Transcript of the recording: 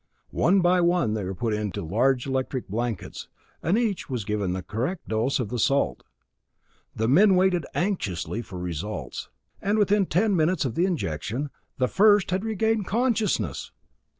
One by one they were put into large electric blankets, and each was given the correct dose of the salt. The men waited anxiously for results and within ten minutes of the injection the first had regained consciousness!